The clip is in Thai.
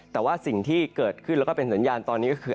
แต่ว่าสิ่งที่เกิดขึ้นแล้วก็เป็นสัญญาณตอนนี้ก็คือ